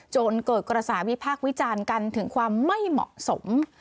จนเกิดกระแสวิพากษ์วิจารณ์กันถึงความไม่เหมาะสม